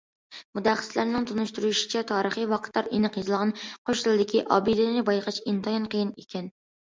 مۇتەخەسسىسلەرنىڭ تونۇشتۇرۇشىچە، تارىخىي ۋاقىتلار ئېنىق يېزىلغان قوش تىلدىكى ئابىدىنى بايقاش ئىنتايىن قىيىن ئىكەن.